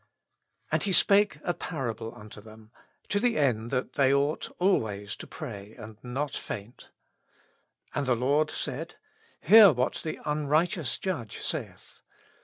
And He spake a pa7 able tinto ihem to the end that they ought always to pray ^ and not to faint. ,.. j4fid the Lord saidj Hear what the tinrighteous judge saiih.